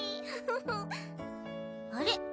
あれ？